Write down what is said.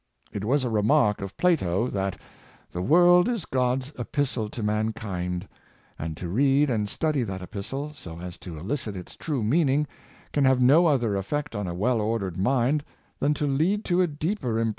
It was a remark of Plato, that " the world is God's epistle to mankind;" and to read and study that epistle, so as to elicit its true meaning, can have no other effect on a well ordered mind than to lead to a deeper impres* Martyrs of Faith.